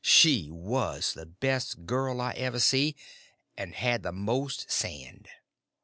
She was the best girl I ever see, and had the most sand.